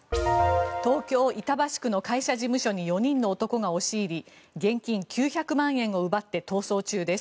東京・板橋区の会社事務所に４人の男が押し入り現金９００万円を奪って逃走中です。